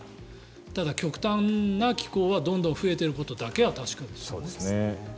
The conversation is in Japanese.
ただ、極端な気候はどんどん増えていることだけは確かですね。